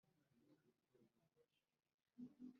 Association confessionnelle S D J E au Rwanda